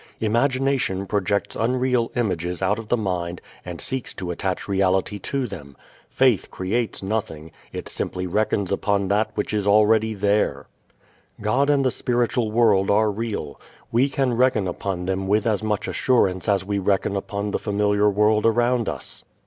Imagination projects unreal images out of the mind and seeks to attach reality to them. Faith creates nothing; it simply reckons upon that which is already there. God and the spiritual world are real. We can reckon upon them with as much assurance as we reckon upon the familiar world around us.